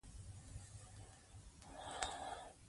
که جومات ته لاړ شو نو ملګري نه کمیږي.